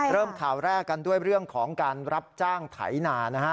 เริ่มข่าวแรกกันด้วยเรื่องของการรับจ้างไถนานะฮะ